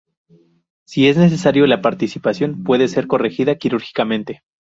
Si es necesario, la partición puede ser corregida quirúrgicamente.